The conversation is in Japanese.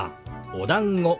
おだんご。